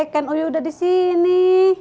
kan uyu udah di sini